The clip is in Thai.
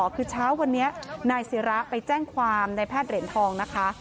คือเช้าวันนี้นายศิระไปแจ้งความในแพทย์เหรียญทองนะคะ